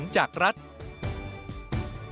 ๕เงินจากการรับบุคคลหรือนิติบุคคล